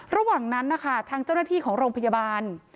ระหว่างนั้นนะคะทางเจ้าหน้าที่ของโรงพยาบาล